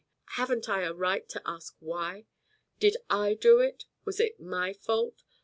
Haven't I a right to ask why? Did I do it? Was it my fault?